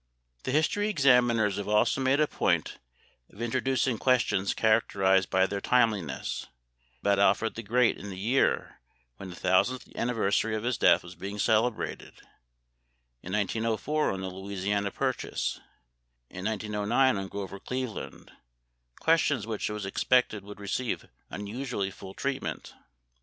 The history examiners have also made a point of introducing questions characterized by their timeliness, about Alfred the Great in the year when the thousandth anniversary of his death was being celebrated, in 1904 on the Louisiana Purchase, in 1909 on Grover Cleveland, questions which it was expected would receive unusually full treatment.